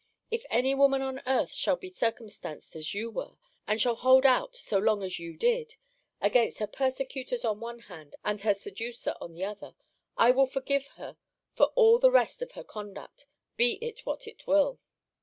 If any woman on earth shall be circumstanced as you were, and shall hold out so long as you did, against her persecutors on one hand, and her seducer on the other, I will forgive her for all the rest of her conduct, be it what it will.